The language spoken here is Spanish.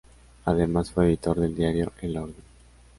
Además fue editor del diario "El Orden".